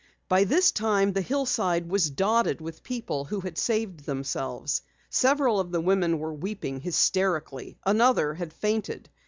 By this time the hillside was dotted with people who had saved themselves. Several of the women were weeping hysterically. Another had fainted.